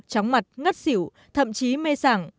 tróng mặt ngất xỉu thậm chí mê sẵn